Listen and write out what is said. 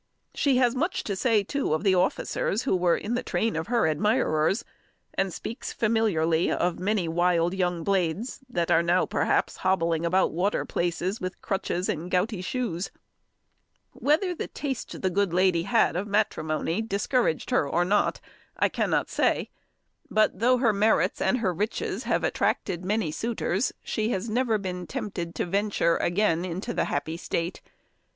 She has much to say too of the officers who were in the train of her admirers; and speaks familiarly of many wild young blades that are now, perhaps, hobbling about watering places with crutches and gouty shoes. [Illustration: Kensington Gardens] Whether the taste the good lady had of matrimony discouraged her or not, I cannot say; but, though her merits and her riches have attracted many suitors, she has never been tempted to venture again into the happy state.